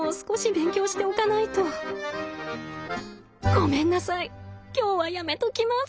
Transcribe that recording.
「ごめんなさい今日はやめときます」。